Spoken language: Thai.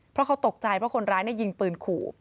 เพราะเขาตกใจเพราะคนร้ายยิงปืนขู่